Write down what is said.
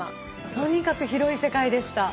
とにかく広い世界でした。